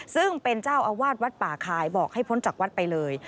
ซึ่งเป็นเจ้าอาวาสวัดป่าคายบอกให้พ้นจากวัดไปเลย